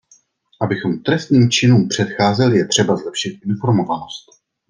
Abychom trestným činům předcházeli, je třeba zlepšit informovanost.